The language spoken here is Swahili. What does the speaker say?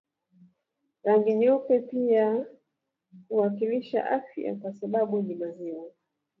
Rangi nyeupe pia huwakilisha afya kwa sababu ni maziwa